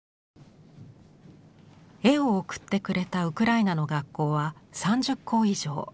絵を送ってくれたウクライナの学校は３０校以上。